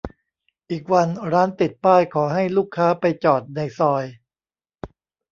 อีกวันร้านติดป้ายขอให้ลูกค้าไปจอดในซอย